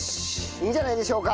いいんじゃないでしょうか？